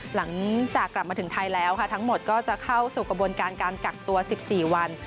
หลังจากกลับมาถึงไทยแล้วค่ะทั้งหมดก็จะเข้าสู่กระบวนการการกักตัว๑๔วัน